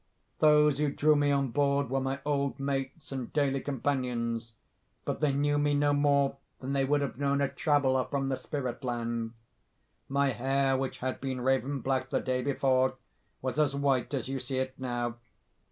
Those who drew me on board were my old mates and daily companions—but they knew me no more than they would have known a traveller from the spirit land. My hair which had been raven black the day before, was as white as you see it now.